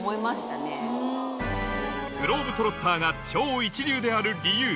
グローブ・トロッターが超一流である理由